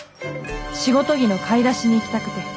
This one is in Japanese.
仕事着の買い出しに行きたくて。